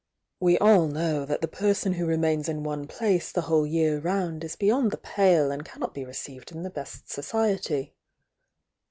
We all know that the person o remains in one place the whole year round is beyond the pale and cannot be received in the best society.